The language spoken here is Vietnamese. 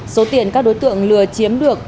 số tiền các đối tượng lừa chiếm được